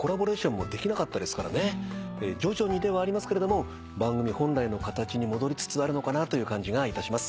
徐々にではありますけれども番組本来の形に戻りつつあるのかなという感じがいたします。